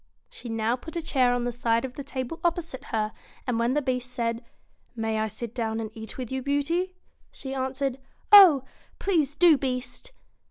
She now put a chair on the side of the table op posite her, and when the Beast said, 'May I sit down and eat with you, Beauty?' she answered, ' Oh ! please do, Beast